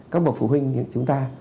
các bộ phụ huynh chúng ta